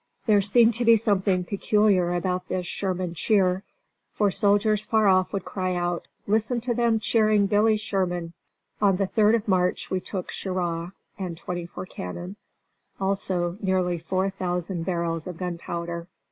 There seemed to be something peculiar about this Sherman cheer, for soldiers far off would cry out: "Listen to them cheering Billy Sherman." On the 3d of March we took Cheraw, and twenty four cannon, also nearly four thousand barrels of gunpowder.